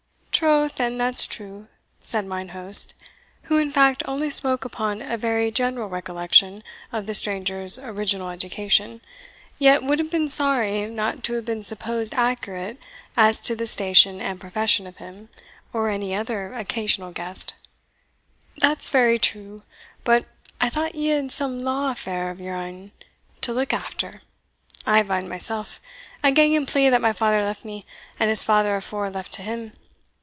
"Troth, and that's true," said mine host, who, in fact, only spoke upon a very general recollection of the stranger's original education, yet would have been sorry not to have been supposed accurate as to the station and profession of him, or any other occasional guest "That's very true, but I thought ye had some law affair of your ain to look after I have ane mysell a ganging plea that my father left me, and his father afore left to him.